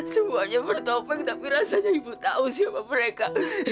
semuanya bertopeng tapi rasanya ibu tahu siapa mereka